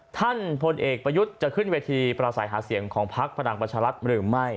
พลเอกประยุทธ์จะขึ้นเวทีประสัยหาเสียงของพักพลังประชารัฐหรือไม่